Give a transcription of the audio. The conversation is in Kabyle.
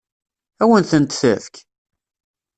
Ad wen-tent-tefk?